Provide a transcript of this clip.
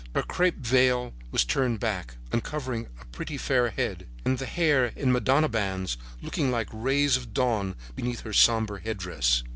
Her crape veil was turned back, uncovering a pretty fair head, the hair in Madonna bands looking like rays of dawn beneath her sombre headdress.